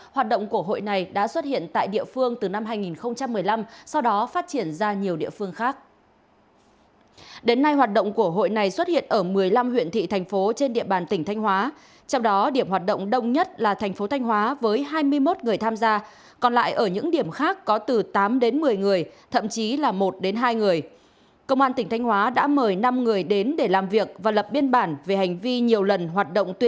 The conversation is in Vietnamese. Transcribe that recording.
hãy đăng ký kênh để ủng hộ kênh của chúng mình nhé